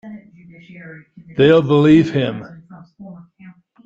They'll believe him.